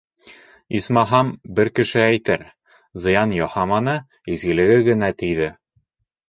Исмаһам, бер кеше әйтер: зыян яһаманы, изгелеге генә тейҙе.